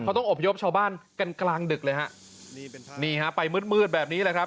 เขาต้องอบพยพชาวบ้านกันกลางดึกเลยฮะนี่ฮะไปมืดมืดแบบนี้แหละครับ